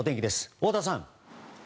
太田さん。